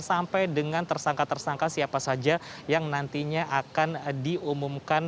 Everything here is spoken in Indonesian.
sampai dengan tersangka tersangka siapa saja yang nantinya akan diumumkan